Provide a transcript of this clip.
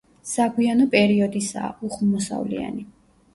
საგვიანო პერიოდისაა, უხვმოსავლიანი.